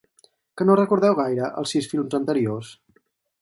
Que no recordeu gaire els sis films anteriors?